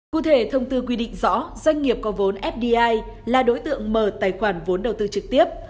cụ thể thông tư quy định rõ doanh nghiệp có vốn fdi là đối tượng mở tài khoản vốn đầu tư trực tiếp